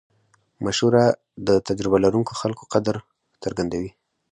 مشوره د تجربه لرونکو خلکو قدر څرګندوي.